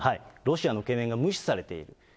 ロシアの懸念が無視されている。